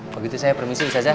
begitu saya permisi ustazah